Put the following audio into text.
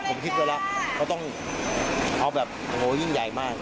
ผมคิดไว้แล้วเขาต้องเอาแบบโอ้โหยิ่งใหญ่มาก